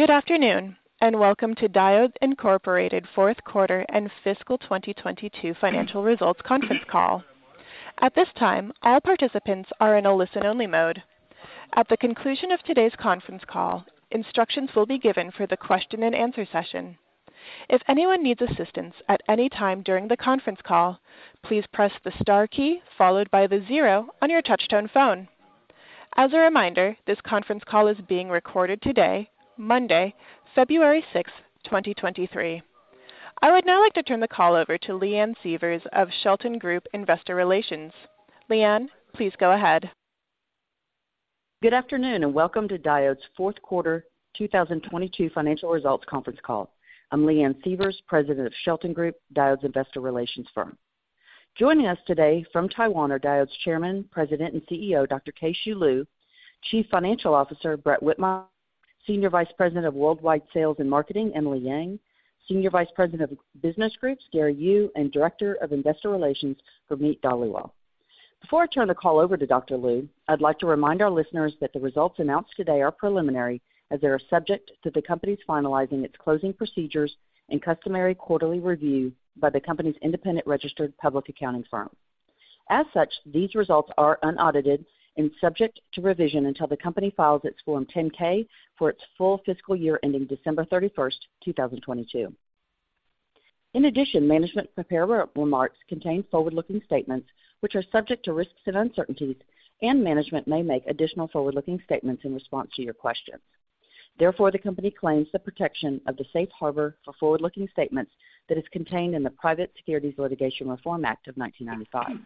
Good afternoon and welcome to Diodes Incorporated fourth quarter and fiscal 2022 financial results conference call. At this time, all participants are in a listen-only mode. At the conclusion of today's conference call, instructions will be given for the question and answer session. If anyone needs assistance at any time during the conference call, please press the star key followed by the zero on your touch-tone phone. As a reminder, this conference call is being recorded today, Monday, February 6, 2023. I would now like to turn the call over to Leanne Sievers of Shelton Group Investor Relations. Leanne, please go ahead. Good afternoon, and welcome to Diodes 4th quarter 2022 financial results conference call. I'm Leanne Sievers, President of Shelton Group, Diodes investor relations firm. Joining us today from Taiwan are Diodes Chairman, President, and CEO, Dr. Keh-Shew Lu, Chief Financial Officer, Brett Whitmire, Senior Vice President of Worldwide Sales and Marketing, Emily Yang, Senior Vice President of Business Groups, Gary Yu, and Director of Investor Relations, Gurmeet Dhaliwal. Before I turn the call over to Dr. Lu, I'd like to remind our listeners that the results announced today are preliminary as they are subject to the company's finalizing its closing procedures and customary quarterly review by the company's independent registered public accounting firm. As such, these results are unaudited and subject to revision until the company files its Form 10-K for its full fiscal year ending December 31st, 2022. In addition, management prepared remarks contain forward-looking statements which are subject to risks and uncertainties, and management may make additional forward-looking statements in response to your questions. Therefore, the company claims the protection of the safe harbor for forward-looking statements that is contained in the Private Securities Litigation Reform Act of 1995.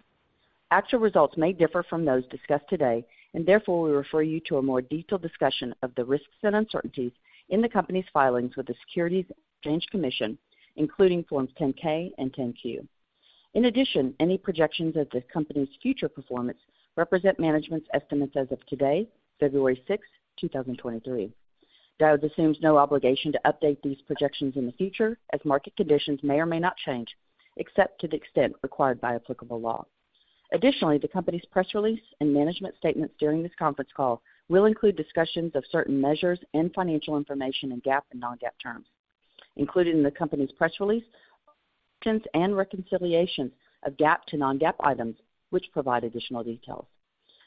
Actual results may differ from those discussed today, and therefore, we refer you to a more detailed discussion of the risks and uncertainties in the company's filings with the Securities Exchange Commission, including Forms 10-K and 10-Q. In addition, any projections of the company's future performance represent management's estimates as of today, February 6th, 2023. Diodes assumes no obligation to update these projections in the future as market conditions may or may not change, except to the extent required by applicable law. Additionally, the company's press release and management statements during this conference call will include discussions of certain measures and financial information in GAAP and non-GAAP terms. Included in the company's press release and reconciliation of GAAP to non-GAAP items, which provide additional details.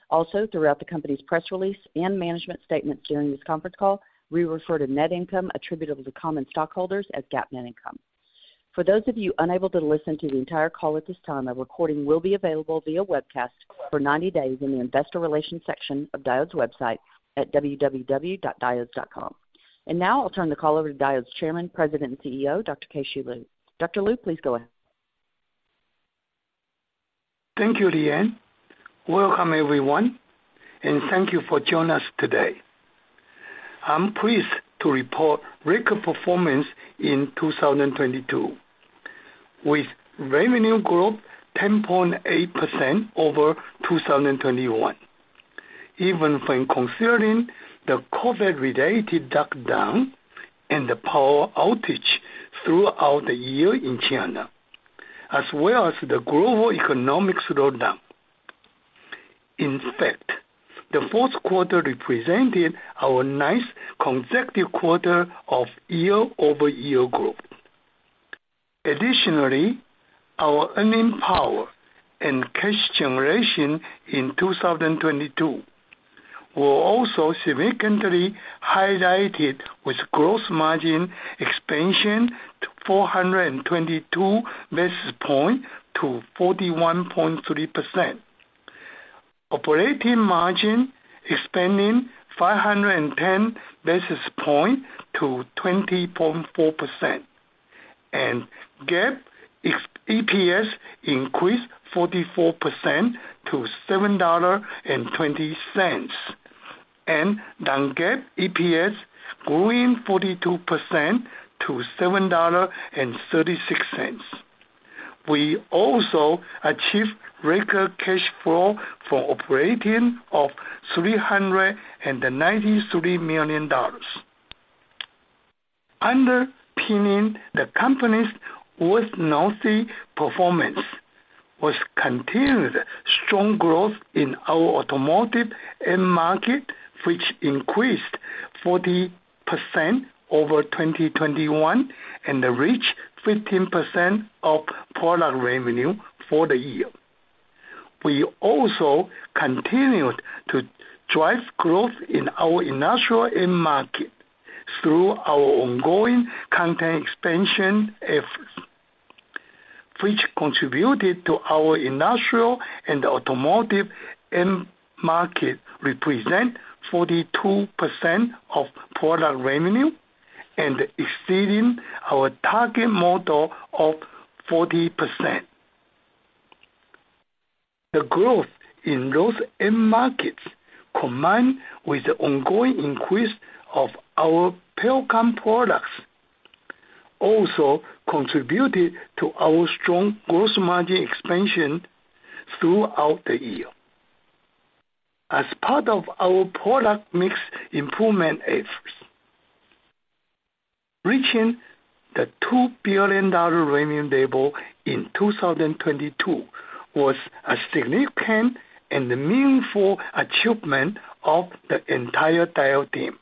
Also, throughout the company's press release and management statements during this conference call, we refer to net income attributable to common stockholders as GAAP net income. For those of you unable to listen to the entire call at this time, a recording will be available via webcast for 90 days in the investor relations section of Diodes' website at www.diodes.com. Now I'll turn the call over to Diodes Chairman, President, and CEO, Dr. Keh-Shew Lu. Dr. Lu, please go ahead. Thank you, Leanne. Welcome, everyone, and thank you for joining us today. I'm pleased to report record performance in 2022, with revenue growth 10.8% over 2021, even when considering the COVID-related lockdown and the power outage throughout the year in China, as well as the global economic slowdown. In fact, the fourth quarter represented our ninth consecutive quarter of year-over-year growth. Additionally, our earning power and cash generation in 2022 were also significantly highlighted with gross margin expansion to 422 basis points to 41.3%. Operating margin expanding 510 basis points to 20.4%. GAAP EPS increased 44% to $7.20. Non-GAAP EPS growing 42% to $7.36. We also achieved record cash flow for operating of $393 million. Underpinning the company's noteworthy performance was continued strong growth in our automotive end market, which increased 40% over 2021 and reached 15% of product revenue for the year. We also continued to drive growth in our industrial end market through our ongoing content expansion efforts, which contributed to our industrial and automotive end market represent 42% of product revenue and exceeding our target model of 40%. The growth in those end markets, combined with the ongoing increase of our power comp products, also contributed to our strong gross margin expansion throughout the year. As part of our product mix improvement efforts. Reaching the $2 billion revenue level in 2022 was a significant and meaningful achievement of the entire Diodes team.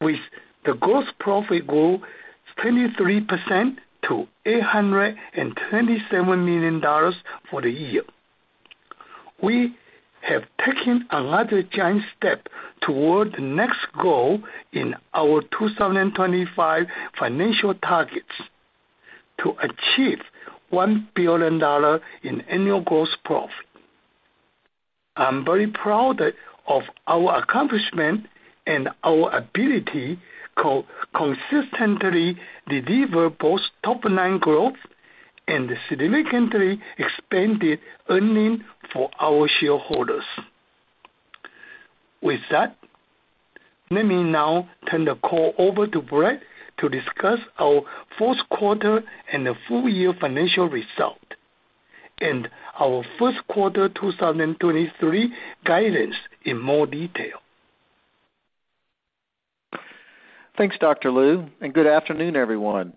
With the gross profit grow 23% to $827 million for the year. We have taken another giant step toward the next goal in our 2025 financial targets to achieve $1 billion in annual gross profit. I'm very proud of our accomplishment and our ability consistently deliver both top-line growth and significantly expanded earning for our shareholders. With that, let me now turn the call over to Brett to discuss our fourth quarter and the full year financial result and our first quarter 2023 guidance in more detail. Thanks, Dr. Lu. Good afternoon, everyone.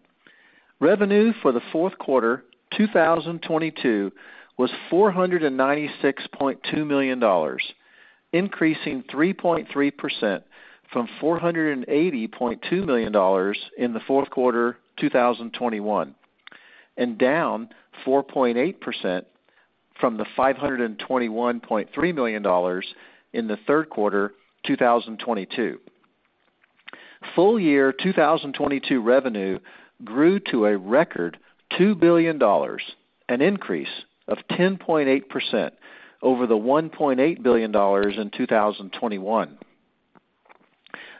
Revenue for the fourth quarter 2022 was $496.2 million, increasing 3.3% from $480.2 million in the fourth quarter 2021, and down 4.8% from the $521.3 million in the third quarter 2022. Full year 2022 revenue grew to a record $2 billion, an increase of 10.8% over the $1.8 billion in 2021.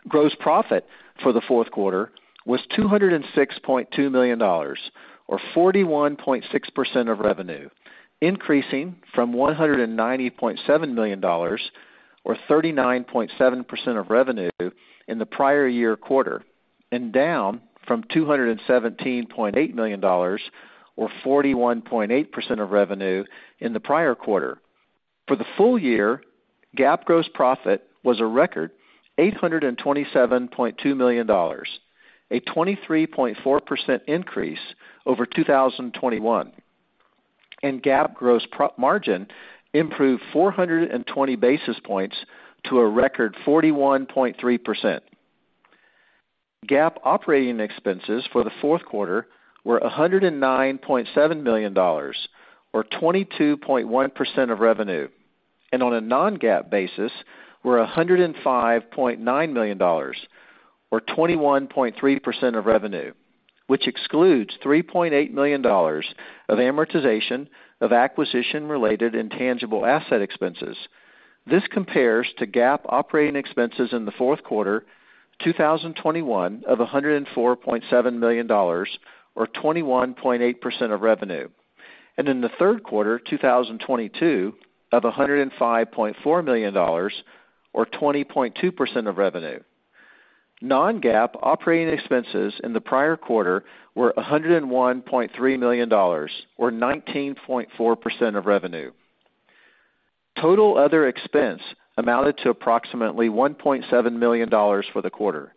Gross profit for the fourth quarter was $206.2 million or 41.6% of revenue, increasing from $190.7 million or 39.7% of revenue in the prior year quarter, down from $217.8 million or 41.8% of revenue in the prior quarter. For the full year, GAAP gross profit was a record $827.2 million, a 23.4% increase over 2021, GAAP gross margin improved 420 basis points to a record 41.3%. GAAP operating expenses for the fourth quarter were $109.7 million or 22.1% of revenue. On a non-GAAP basis were $105.9 million or 21.3% of revenue, which excludes $3.8 million of amortization of acquisition-related intangible asset expenses. This compares to GAAP operating expenses in the fourth quarter 2021 of $104.7 million or 21.8% of revenue, and in the third quarter 2022 of $105.4 million or 20.2% of revenue. Non-GAAP operating expenses in the prior quarter were $101.3 million or 19.4% of revenue. Total other expense amounted to approximately $1.7 million for the quarter,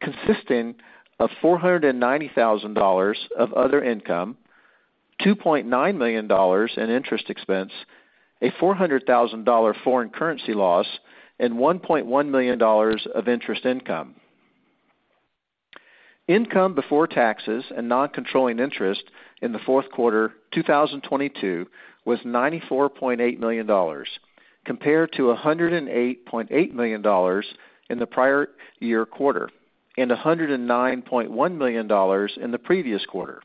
consisting of $490,000 of other income, $2.9 million in interest expense, a $400,000 foreign currency loss, and $1.1 million of interest income. Income before taxes and non-controlling interest in the fourth quarter 2022 was $94.8 million compared to $108.8 million in the prior year quarter, and $109.1 million in the previous quarter.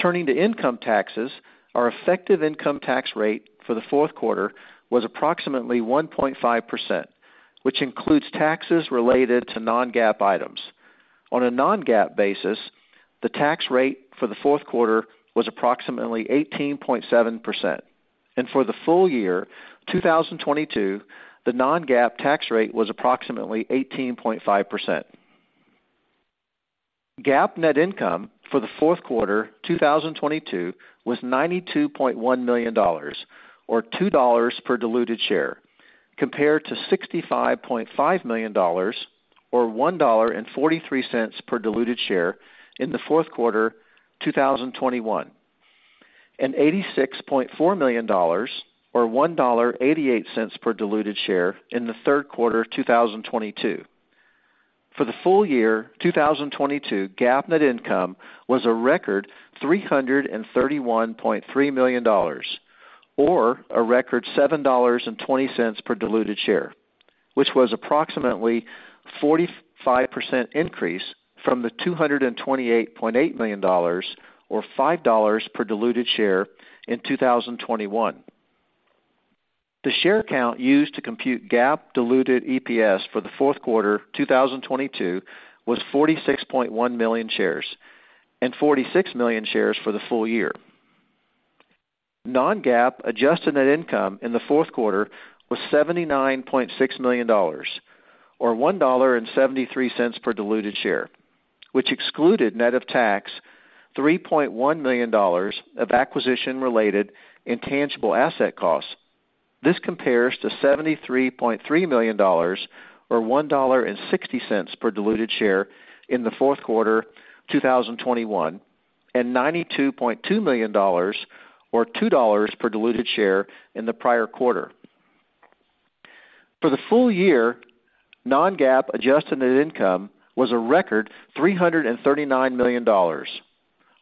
Turning to income taxes, our effective income tax rate for the fourth quarter was approximately 1.5%, which includes taxes related to non-GAAP items. On a non-GAAP basis, the tax rate for the fourth quarter was approximately 18.7%, and for the full year 2022, the non-GAAP tax rate was approximately 18.5%. GAAP net income for the fourth quarter 2022 was $92.1 million or $2 per diluted share, compared to $65.5 million or $1.43 per diluted share in the fourth quarter 2021, and $86.4 million or $1.88 per diluted share in the third quarter of 2022. For the full year 2022, GAAP net income was a record $331.3 million or a record $7.20 per diluted share, which was approximately 45% increase from the $228.8 million or $5.00 per diluted share in 2021. The share count used to compute GAAP diluted EPS for the fourth quarter 2022 was 46.1 million shares and 46 million shares for the full year. Non-GAAP adjusted net income in the fourth quarter was $79.6 million or $1.73 per diluted share, which excluded net of tax $3.1 million of acquisition-related intangible asset costs. This compares to $73.3 million or $1.60 per diluted share in the fourth quarter 2021, and $92.2 million or $2.00 per diluted share in the prior quarter. For the full year, non-GAAP adjusted net income was a record $339 million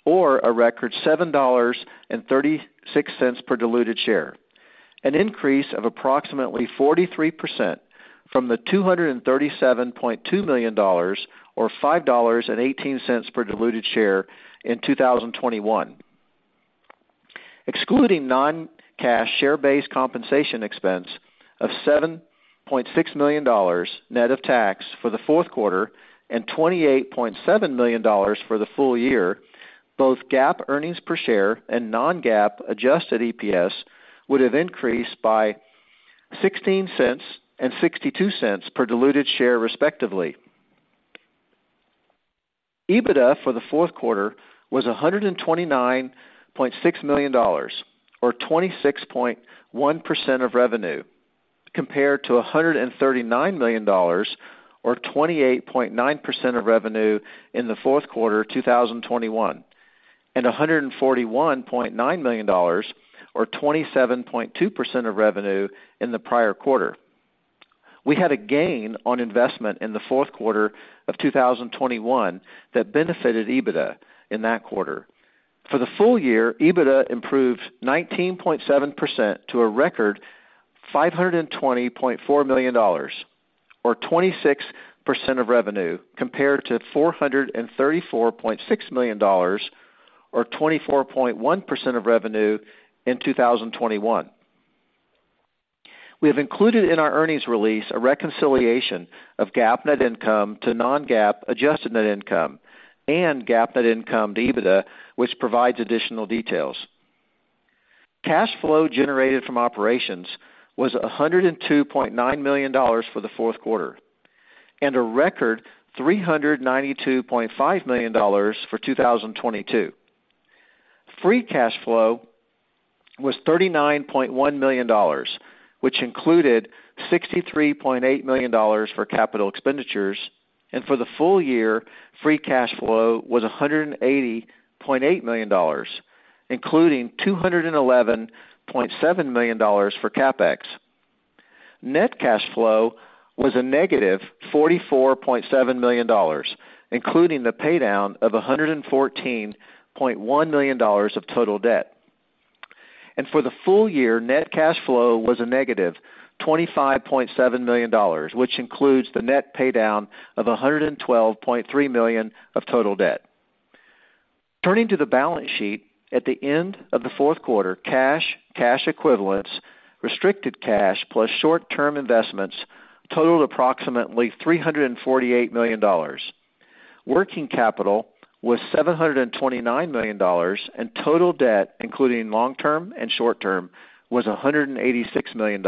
or a record $7.36 per diluted share, an increase of approximately 43% from the $237.2 million or $5.18 per diluted share in 2021. Excluding non-cash share-based compensation expense of $7.6 million net of tax for the fourth quarter and $28.7 million for the full year, both GAAP earnings per share and non-GAAP adjusted EPS would have increased by $0.16 and $0.62 per diluted share, respectively. EBITDA for the fourth quarter was $129.6 million or 26.1% of revenue, compared to $139 million or 28.9% of revenue in the fourth quarter 2021, and $141.9 million or 27.2% of revenue in the prior quarter. We had a gain on investment in the fourth quarter of 2021 that benefited EBITDA in that quarter. For the full year, EBITDA improved 19.7% to a record $520.4 million or 26% of revenue, compared to $434.6 million or 24.1% of revenue in 2021. We have included in our earnings release a reconciliation of GAAP net income to non-GAAP adjusted net income and GAAP net income to EBITDA, which provides additional details. Cash flow generated from operations was $102.9 million for the fourth quarter, and a record $392.5 million for 2022. Free cash flow was $39.1 million, which included $63.8 million for capital expenditures. For the full year, free cash flow was $180.8 million, including $211.7 million for CapEx. Net cash flow was a negative $44.7 million, including the paydown of $114.1 million of total debt. For the full year, net cash flow was a negative $25.7 million, which includes the net paydown of $112.3 million of total debt. Turning to the balance sheet. At the end of the fourth quarter, cash, cash equivalents, restricted cash plus short-term investments totaled approximately $348 million. Working capital was $729 million, and total debt, including long-term and short-term, was $186 million.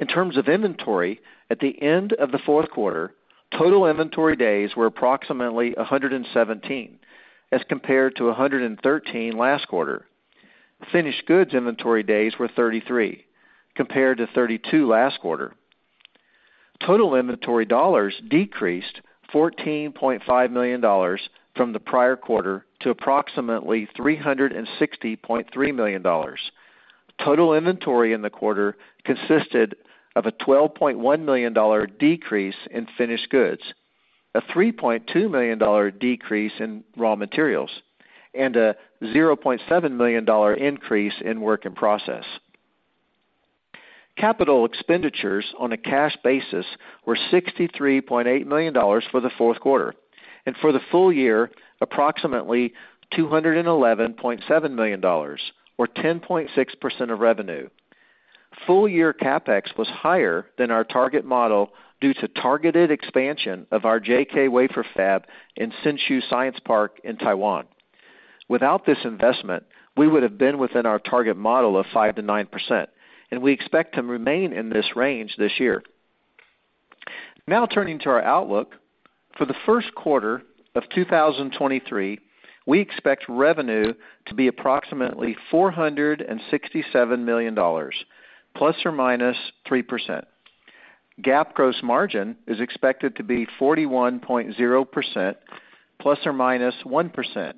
In terms of inventory, at the end of the fourth quarter, total inventory days were approximately 117, as compared to 113 last quarter. Finished goods inventory days were 33, compared to 32 last quarter. Total inventory dollars decreased $14.5 million from the prior quarter to approximately $360.3 million. Total inventory in the quarter consisted of a $12.1 million decrease in finished goods, a $3.2 million decrease in raw materials, and a $0.7 million increase in work in process. Capital expenditures on a cash basis were $63.8 million for the fourth quarter, and for the full year, approximately $211.7 million or 10.6% of revenue. Full year CapEx was higher than our target model due to targeted expansion of our JK Wafer Fab in Hsinchu Science Park in Taiwan. Without this investment, we would have been within our target model of 5%-9%, and we expect to remain in this range this year. Now, turning to our outlook. For the first quarter of 2023, we expect revenue to be approximately $467 million, ±3%. GAAP gross margin is expected to be 41.0%, ±1%.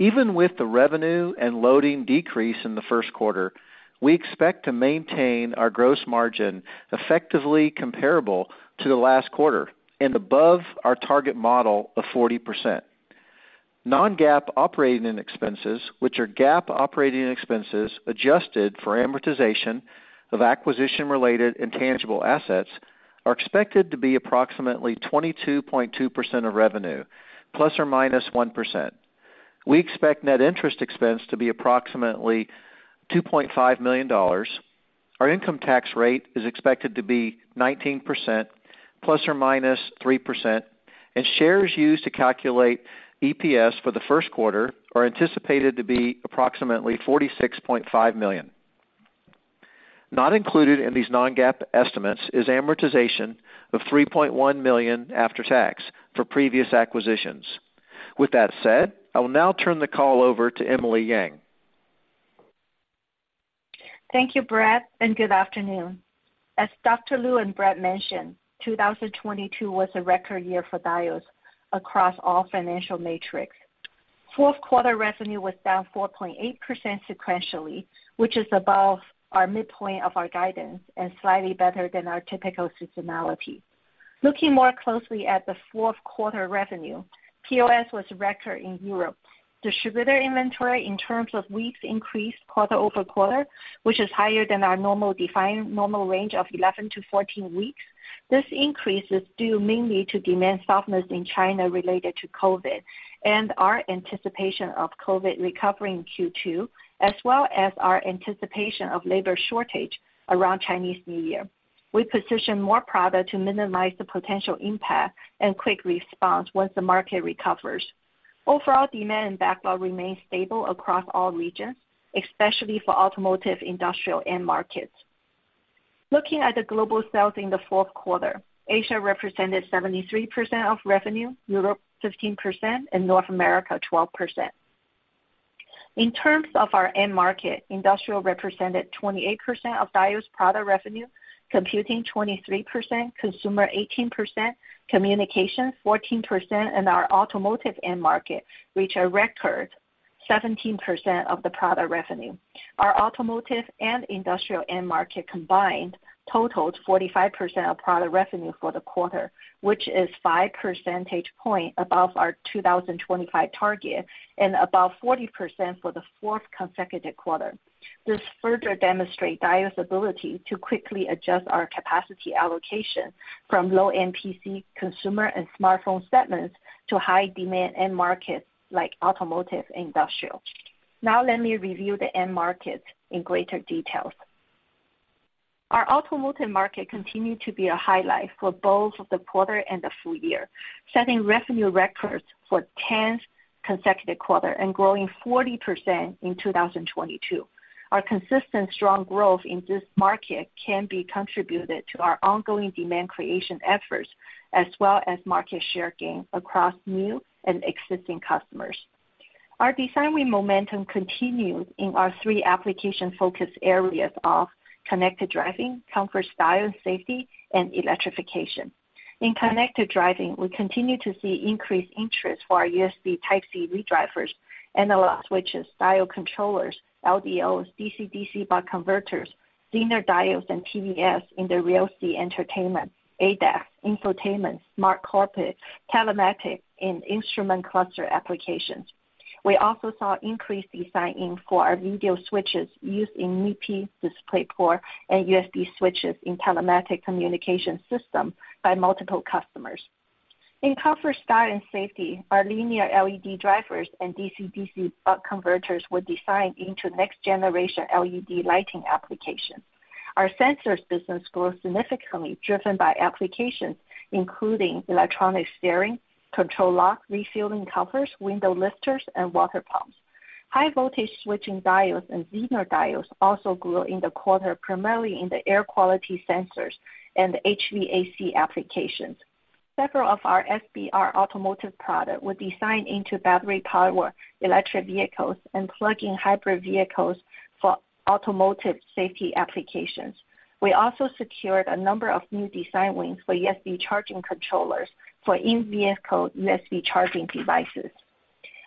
Even with the revenue and loading decrease in the first quarter, we expect to maintain our gross margin effectively comparable to the last quarter and above our target model of 40%. Non-GAAP operating expenses, which are GAAP operating expenses adjusted for amortization of acquisition-related intangible assets, are expected to be approximately 22.2% of revenue, ±1%. We expect net interest expense to be approximately $2.5 million. Our income tax rate is expected to be 19%, plus or minus 3%, and shares used to calculate EPS for the first quarter are anticipated to be approximately $46.5 million. Not included in these non-GAAP estimates is amortization of $3.1 million after tax for previous acquisitions. With that said, I will now turn the call over to Emily Yang. Thank you, Brett. Good afternoon. As Dr. Lu and Brett mentioned, 2020 was a record year for Diodes across all financial metrics. Fourth quarter revenue was down 4.8% sequentially, which is above our midpoint of our guidance and slightly better than our typical seasonality. Looking more closely at the fourth quarter revenue, POS was record in Europe. Distributor inventory in terms of weeks increased quarter-over-quarter, which is higher than our normal defined normal range of 11-14 weeks. This increase is due mainly to demand softness in China related to COVID and our anticipation of COVID recovery in Q2, as well as our anticipation of labor shortage around Chinese New Year. We position more product to minimize the potential impact and quick response once the market recovers. Overall demand and backlog remain stable across all regions, especially for automotive, industrial, and markets. Looking at the global sales in the fourth quarter, Asia represented 73% of revenue, Europe 15%, and North America 12%. In terms of our end market, industrial represented 28% of Diodes' product revenue, computing 23%, consumer 18%, communication 14%, and our automotive end market, which are record 17% of the product revenue. Our automotive and industrial end market combined totaled 45% of product revenue for the quarter, which is 5 percentage point above our 2025 target and above 40% for the fourth consecutive quarter. This further demonstrate Diodes' ability to quickly adjust our capacity allocation from low-end PC consumer and smartphone segments to high demand end markets like automotive industrial. Let me review the end markets in greater details. Our automotive market continued to be a highlight for both the quarter and the full year, setting revenue records for 10th consecutive quarter and growing 40% in 2022. Our consistent strong growth in this market can be contributed to our ongoing demand creation efforts as well as market share gain across new and existing customers. Our design win momentum continued in our three application focus areas of connected driving, comfort, style, and safety, and electrification. In connected driving, we continue to see increased interest for our USB Type-C redrivers, analog switches, style controllers, LDOs, DC-DC buck converters, zener diodes, and TVS in the rear seat entertainment, ADAS, infotainment, smart cockpit, telematics, and instrument cluster applications. We also saw increased design in for our video switches used in MIPI, DisplayPort, and USB switches in telematic communication system by multiple customers. In comfort, style, and safety, our linear LED drivers and DC-DC buck converters were designed into next generation LED lighting application. Our sensors business grew significantly, driven by applications including electronic steering, control lock, refueling covers, window lifters, and water pumps. High voltage switching diodes and zener diodes also grew in the quarter, primarily in the air quality sensors and HVAC applications. Several of our SBR automotive product were designed into battery powered electric vehicles and plug-in hybrid vehicles for automotive safety applications. We also secured a number of new design wins for USB charging controllers for in-vehicle USB charging devices.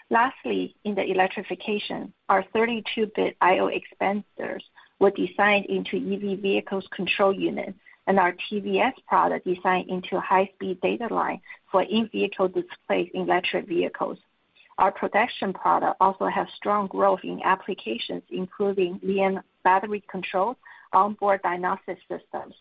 Lastly, in the electrification, our 32-bit I/O expanders were designed into EV vehicles control unit and our TVS product designed into high-speed data line for in-vehicle display in electric vehicles. Our protection product also have strong growth in applications including VM battery control, onboard diagnostic systems.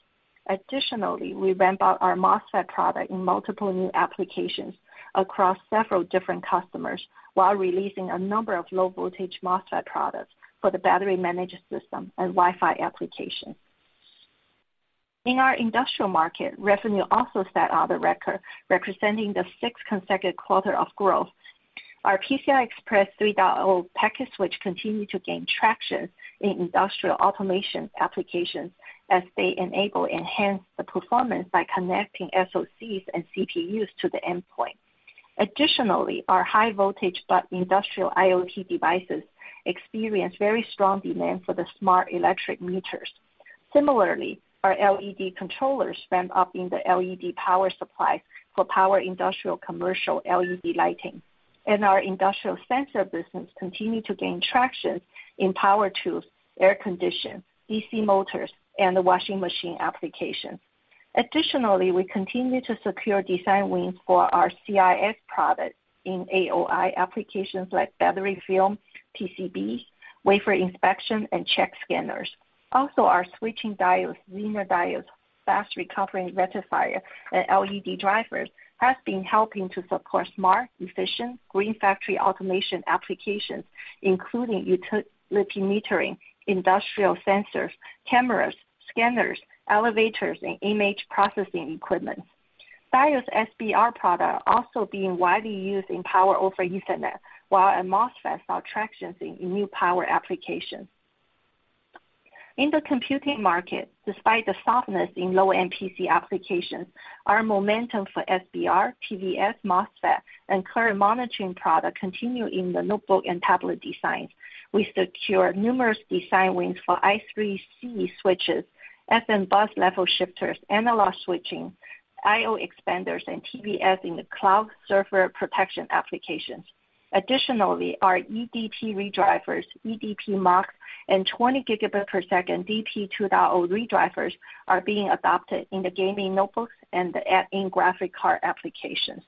Additionally, we ramped up our MOSFET product in multiple new applications across several different customers while releasing a number of low voltage MOSFET products for the battery management system and Wi-Fi application. In our industrial market, revenue also set all the record, representing the sixth consecutive quarter of growth. Our PCI Express 3.0 package switch continued to gain traction in industrial automation applications as they enable enhance the performance by connecting SOCs and CPUs to the endpoint. Additionally, our high voltage buck industrial IoT devices experienced very strong demand for the smart electric meters. Similarly, our LED controllers ramp up in the LED power supply for power industrial commercial LED lighting. Our industrial sensor business continued to gain traction in power tools, air condition, DC motors, and the washing machine application. Additionally, we continue to secure design wins for our CIS product in AOI applications like battery film, PCB, wafer inspection, and check scanners. Also, our switching diodes, zener diodes, fast recovering rectifier, and LED drivers have been helping to support smart, efficient, green factory automation applications, including utility metering, industrial sensors, cameras, scanners, elevators, and image processing equipment. Diodes' SBR product also being widely used in Power over Ethernet, while MOSFET saw tractions in new power applications. In the computing market, despite the softness in notebook PC applications, our momentum for SBR, TVS, MOSFET, and current monitoring product continue in the notebook and tablet designs. We secure numerous design wins for I3C switches, SMBus level shifters, analog switching, I/O expanders, and TVS in the cloud server protection applications. Additionally, our eDP redrivers, eDP MUX, and 20Gbps DP2.0 redrivers are being adopted in the gaming notebooks and the app in graphic card applications.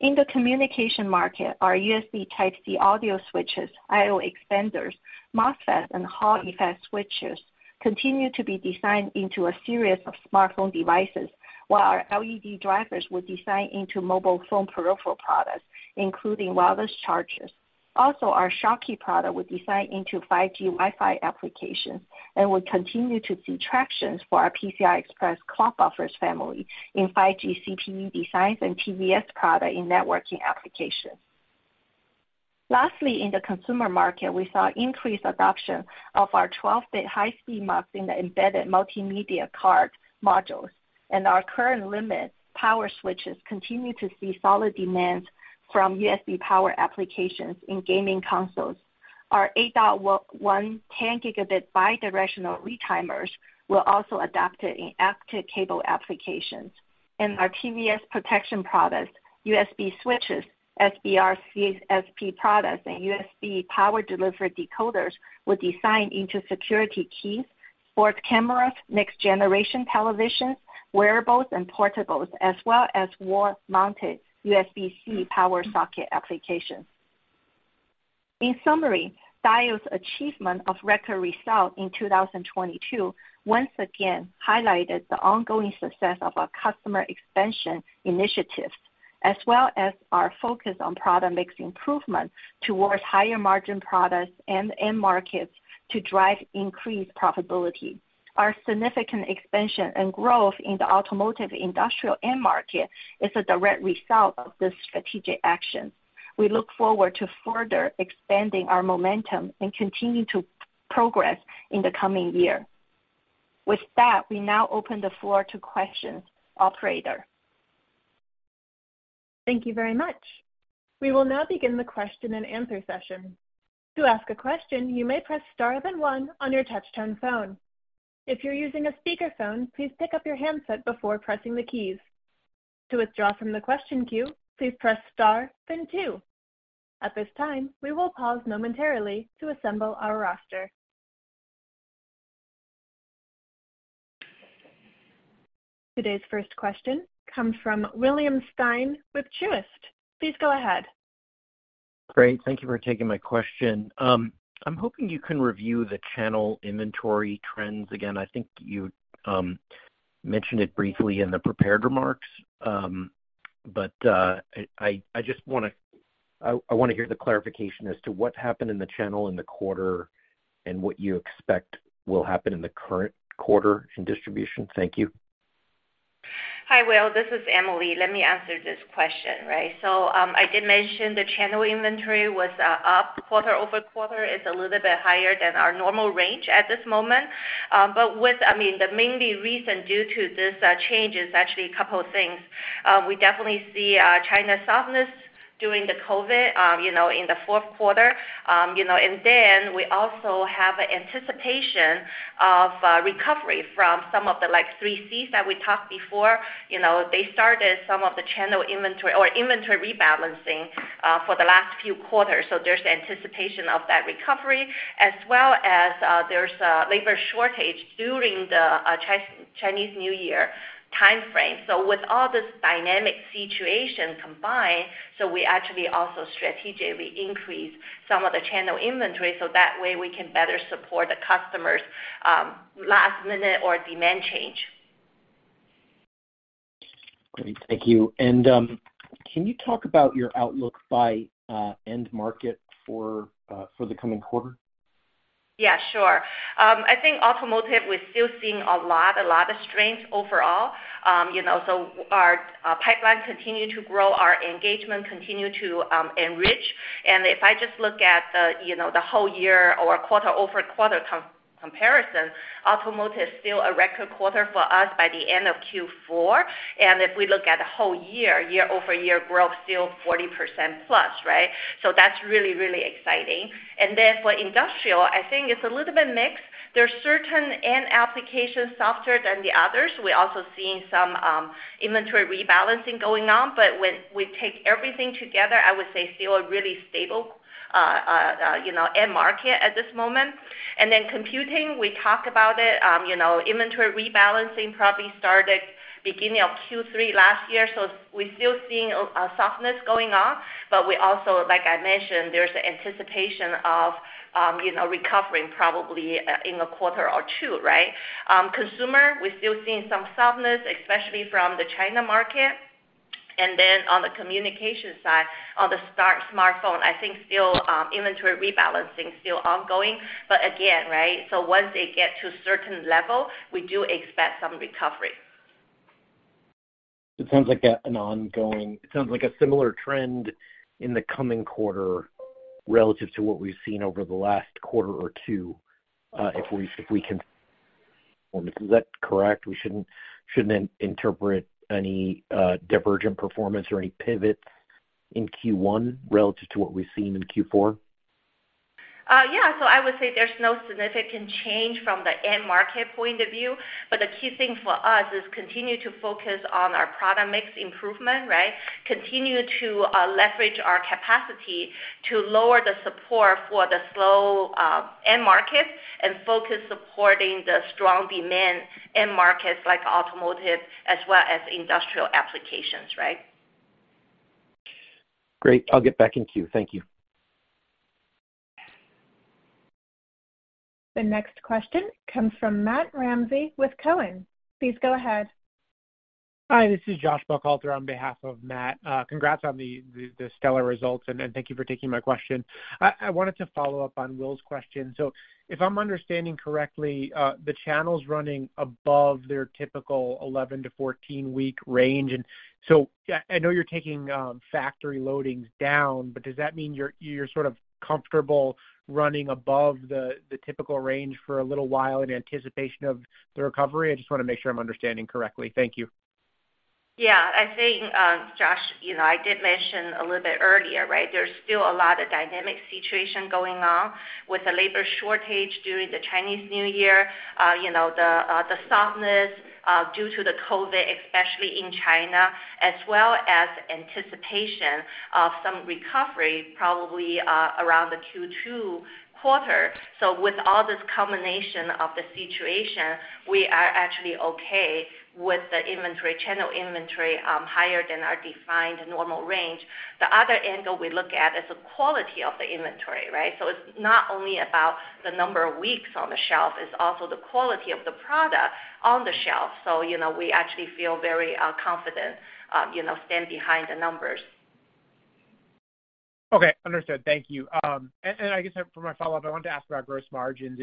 In the communication market, our USB Type-C audio switches, I/O expanders, MOSFET, and Hall-effect switches continue to be designed into a series of smartphone devices, while our LED drivers were designed into mobile phone peripheral products, including wireless chargers. Also, our Schottky product was designed into 5G Wi-Fi applications and will continue to see tractions for our PCI Express clock buffers family in 5G CPE designs and TVS product in networking applications. Lastly, in the consumer market, we saw increased adoption of our 12-bit high-speed MUX in the embedded multimedia card modules, and our current-limited power switches continue to see solid demands from USB power applications in gaming consoles. Our 8.1, 10 Gbps bi-directional retimers were also adopted in active cable applications. Our TVS protection products, USB switches, SBR CSP products, and USB Power Delivery decoders were designed into security keys, sports cameras, next-generation televisions, wearables, and portables, as well as wall-mounted USB-C power socket applications. In summary, Diodes' achievement of record result in 2022 once again highlighted the ongoing success of our customer expansion initiatives, as well as our focus on product mix improvement towards higher margin products and end markets to drive increased profitability. Our significant expansion and growth in the automotive industrial end market is a direct result of this strategic action. We look forward to further expanding our momentum and continue to progress in the coming year. With that, we now open the floor to questions. Operator. Thank you very much. We will now begin the question-and-answer session. To ask a question, you may press star then one on your touch-tone phone. If you're using a speakerphone, please pick up your handset before pressing the keys. To withdraw from the question queue, please press star then two. At this time, we will pause momentarily to assemble our roster. Today's first question comes from William Stein with Truist Securities. Please go ahead. Great. Thank you for taking my question. I'm hoping you can review the channel inventory trends again. I think you mentioned it briefly in the prepared remarks, but I wanna hear the clarification as to what happened in the channel in the quarter and what you expect will happen in the current quarter in distribution. Thank you. Hi, William. This is Emily. Let me answer this question, right? I did mention the channel inventory was up quarter-over-quarter. It's a little bit higher than our normal range at this moment. I mean, the mainly reason due to this change is actually a couple of things. We definitely see China's softness during the COVID, you know, in the fourth quarter. You know, we also have anticipation of recovery from some of the like 3Cs that we talked before. You know, they started some of the channel inventory or inventory rebalancing for the last few quarters. There's anticipation of that recovery as well as there's a labor shortage during the Chinese New Year timeframe. With all this dynamic situation combined, we actually also strategically increase some of the channel inventory so that way we can better support the customers', last minute or demand change. Great. Thank you. Can you talk about your outlook by end market for the coming quarter? Yeah, sure. I think automotive, we're still seeing a lot of strength overall. You know, our pipeline continue to grow, our engagement continue to enrich. If I just look at the, you know, the whole year or quarter-over-quarter comparison, automotive still a record quarter for us by the end of Q4. If we look at the whole year-over-year growth still 40%+, right? That's really exciting. For industrial, I think it's a little bit mixed. There's certain end applications softer than the others. We're also seeing some inventory rebalancing going on. When we take everything together, I would say still a really stable, you know, end market at this moment. Computing, we talk about it, you know, inventory rebalancing probably started beginning of Q3 last year, so we're still seeing a softness going on. We also, like I mentioned, there's anticipation of, you know, recovering probably in a quarter or two, right? Consumer, we're still seeing some softness, especially from the China market. On the communication side, on the smartphone, I think still, inventory rebalancing is still ongoing, but again, right? Once they get to a certain level, we do expect some recovery. It sounds like a similar trend in the coming quarter relative to what we've seen over the last quarter or two, if we can. Is that correct? We shouldn't interpret any divergent performance or any pivots in Q1 relative to what we've seen in Q4? Yeah. I would say there's no significant change from the end market point of view. The key thing for us is continue to focus on our product mix improvement, right? Continue to leverage our capacity to lower the support for the slow end markets and focus supporting the strong demand in markets like automotive as well as industrial applications, right? Great. I'll get back in queue. Thank you. The next question comes from Matt Ramsay with TD Cowen. Please go ahead. Hi, this is Joshua Buchalter on behalf of Matt. congrats on the stellar results and thank you for taking my question. I wanted to follow up on Will's question. If I'm understanding correctly, the channel's running above their typical 11-14-week range. I know you're taking factory loadings down, but does that mean you're sort of comfortable running above the typical range for a little while in anticipation of the recovery? I just wanna make sure I'm understanding correctly. Thank you. I think, Josh, you know, I did mention a little bit earlier, right? There's still a lot of dynamic situation going on with the labor shortage during the Chinese New Year, you know, the softness due to the COVID, especially in China, as well as anticipation of some recovery probably around the Q2 quarter. With all this combination of the situation, we are actually okay with the inventory, channel inventory, higher than our defined normal range. The other angle we look at is the quality of the inventory, right? It's not only about the number of weeks on the shelf, it's also the quality of the product on the shelf. You know, we actually feel very confident, you know, stand behind the numbers. Okay. Understood. Thank you. I guess for my follow-up, I wanted to ask about gross margins.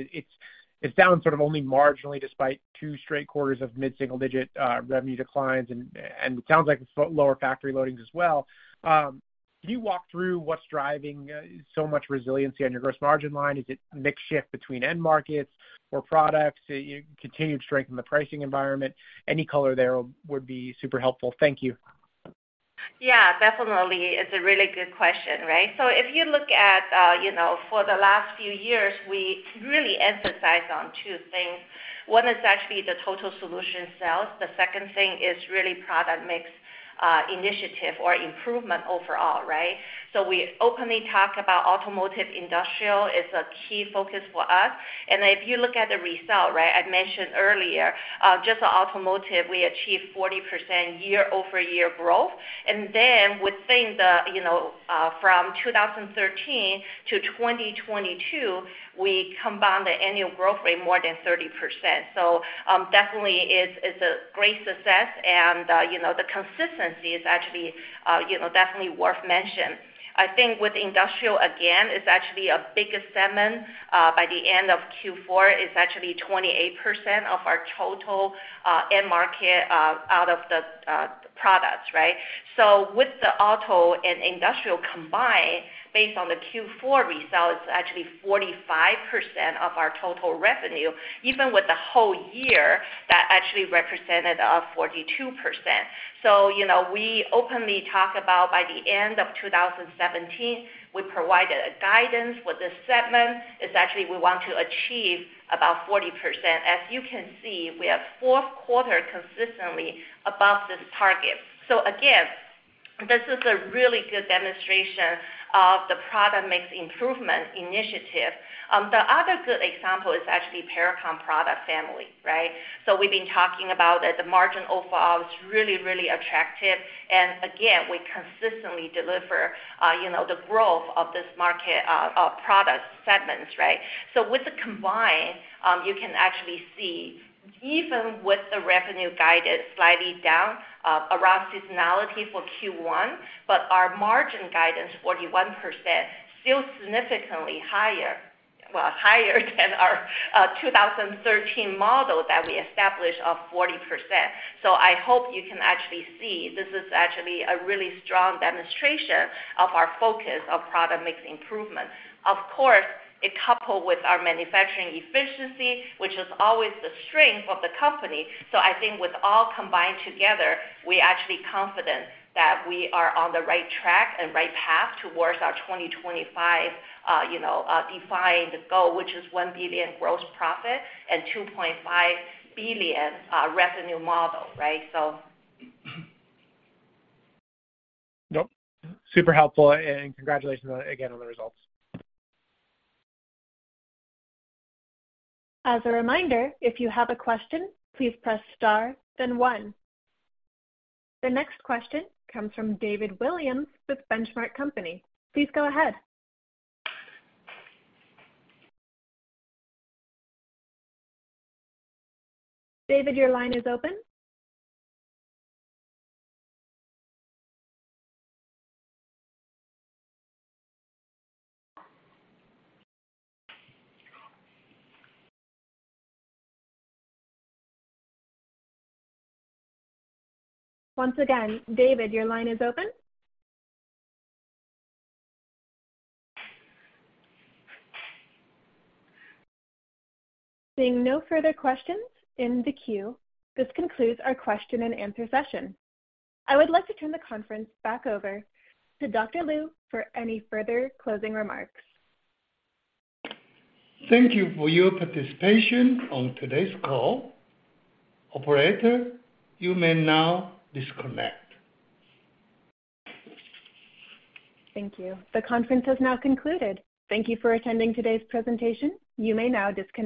It's down sort of only marginally despite two straight quarters of mid-single digit revenue declines and it sounds like it's lower factory loadings as well. Can you walk through what's driving so much resiliency on your gross margin line? Is it mix shift between end markets or products? Do you continue to strengthen the pricing environment? Any color there would be super helpful. Thank you. Yeah, definitely. It's a really good question, right? If you look at, you know, for the last few years, we really emphasize on two things. One is actually the total solution sales. The second thing is really product mix, initiative or improvement overall, right? We openly talk about automotive, industrial is a key focus for us. If you look at the result, right, I mentioned earlier, just the automotive, we achieved 40% year-over-year growth. Within the, you know, from 2013 to 2022, we combined the annual growth rate more than 30%. Definitely is a great success and, you know, the consistency is actually, you know, definitely worth mention. I think with industrial again is actually a big segment. By the end of Q4, it's actually 28% of our total end market out of the products, right? With the auto and industrial combined based on the Q4 result, it's actually 45% of our total revenue. Even with the whole year, that actually represented 42%. You know, we openly talk about by the end of 2017, we provided a guidance with the segment. It's actually we want to achieve about 40%. As you can see, we have fourth quarter consistently above this target. Again, this is a really good demonstration of the product mix improvement initiative. The other good example is actually Pericom product family, right? We've been talking about that the margin overall is really, really attractive. Again, we consistently deliver, you know, the growth of this market, product segments, right? With the combined, you can actually see even with the revenue guided slightly down, around seasonality for Q1, but our margin guidance, 41%, still significantly higher, well, higher than our 2013 model that we established of 40%. I hope you can actually see this is actually a really strong demonstration of our focus of product mix improvement. Of course, it coupled with our manufacturing efficiency, which is always the strength of the company. I think with all combined together, we're actually confident that we are on the right track and right path towards our 2025, you know, defined goal, which is $1 billion gross profit and $2.5 billion revenue model, right? Yep. Super helpful, and congratulations again on the results. As a reminder, if you have a question, please press star then one. The next question comes from David Williams with Benchmark Company. Please go ahead. David, your line is open. Once again, David, your line is open. Seeing no further questions in the queue, this concludes our question-and-answer session. I would like to turn the conference back over to Dr. Lu for any further closing remarks. Thank you for your participation on today's call. Operator, you may now disconnect. Thank you. The conference has now concluded. Thank you for attending today's presentation. You may now disconnect.